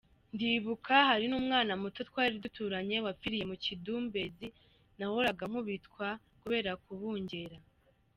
Ndibuka hari n'umwana muto twari duturanye wapfiriye mu kidumbezi nahoraga nkubitwa kubera kubungera.